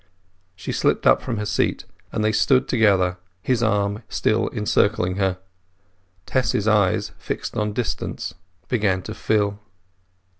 She slipped up from her seat, and they stood together, his arm still encircling her. Tess's eyes, fixed on distance, began to fill.